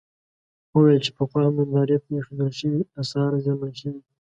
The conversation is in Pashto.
وویل چې پخوا هم نندارې ته اېښودل شوي اثار زیانمن شوي دي.